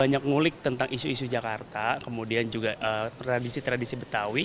banyak ngulik tentang isu isu jakarta kemudian juga tradisi tradisi betawi